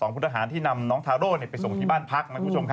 ๒พลทหารที่นำน้องทาโร่ไปส่งที่บ้านพัก